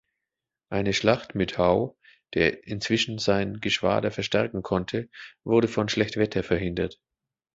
Eine Schlacht mit Howe, der inzwischen sein Geschwader verstärken konnte, wurde von Schlechtwetter verhindert.